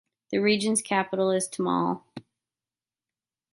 The region's capital is Tamale.